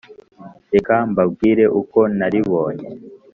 Reka mbabwire uko naribonye.